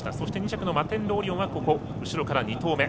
２着のマテンロウオリオンは後ろから２頭目。